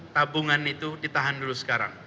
tabungan itu ditahan dulu sekarang